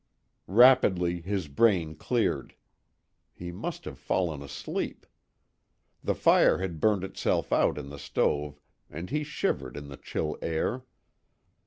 Rapidly his brain cleared. He must have fallen asleep. The fire had burned itself out in the stove and he shivered in the chill air.